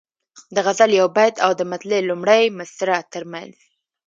د غزل یو بیت او د مطلع لومړۍ مصرع ترمنځ.